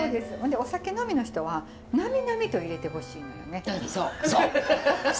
ほんでお酒呑みの人はなみなみと入れてほしいのよね。